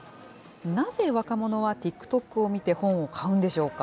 なぜ若者はＴｉｋＴｏｋを見て本を買うんでしょうか。